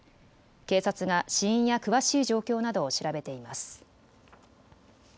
警察が死因や詳しい状況などを調べています。